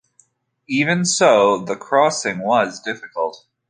Even so, the crossing was difficult.